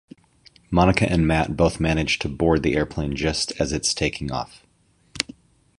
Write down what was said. Monica and Matt both manage to board the airplane just as it's taking off.